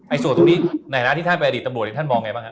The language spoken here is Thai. ส่วนตรงนี้ในฐานะที่ท่านเป็นอดีตตำรวจท่านมองไงบ้างครับ